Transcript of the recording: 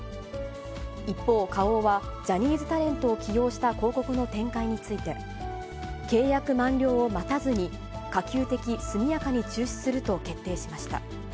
一方、花王はジャニーズタレントを起用した広告の展開について、契約満了を待たずに、可及的速やかに中止すると決定しました。